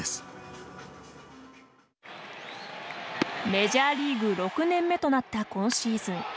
メジャーリーグ６年目となった今シーズン。